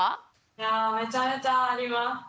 いやめちゃめちゃあります。